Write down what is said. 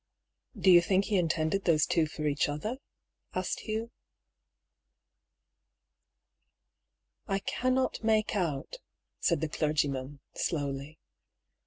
" Do you think he intended those two for each other?" asked Hugh. " I cannot make out," said the clergyman, slowly.